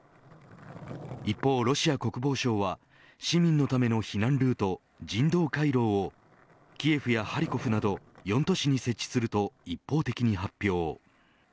一方、ロシア国防省は市民のための避難ルート人道回廊をキエフやハリコフなど４都市に設置すると一方的に発表。